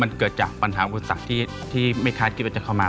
มันเกิดจากปัญหาอุตสักที่ไม่คล้ายที่และจันทร์เข้ามา